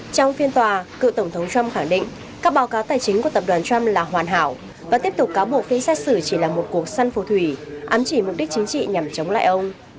trong phiên tòa cựu tổng thống trump khẳng định các báo cáo tài chính của tập đoàn trump là hoàn hảo và tiếp tục cáo buộc phim xét xử chỉ là một cuộc săn phù thủy ám chỉ mục đích chính trị nhằm chống lại ông